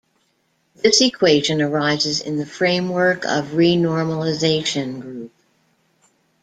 This equation arises in the framework of renormalization group.